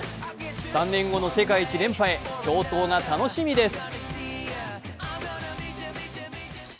３年後の世界一連覇へ共闘が楽しみです。